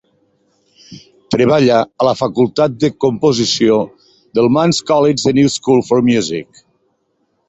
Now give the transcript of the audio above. Treballa a la facultat de composició del Mannes College The New School for Music.